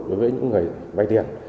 đối với những người vay tiền